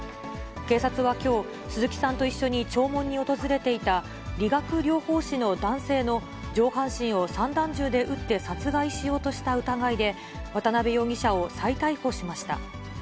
警察はきょう、鈴木さんと一緒に弔問に訪れていた、理学療法士の男性の上半身を散弾銃で撃って殺害しようとした疑いで、渡辺容疑者を再逮捕しました。